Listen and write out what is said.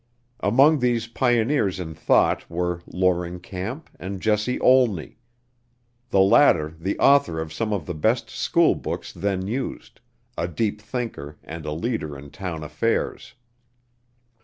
Among these pioneers in thought were Loring Camp and Jesse Olney, the latter the author of some of the best school books then used; a deep thinker and a leader in town affairs.